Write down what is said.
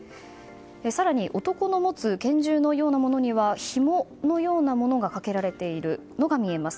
更に、男の持つ拳銃のようなものにはひものようなものがかけられているのが見えます。